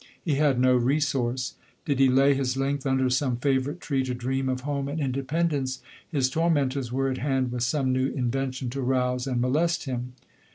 He had no resource. Did he lay his length under some favourite tree to dream of home and independence, his tormentors were at hand with some new invention to rouse and mo lest him.